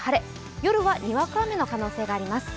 夜はにわか雨の可能性があります。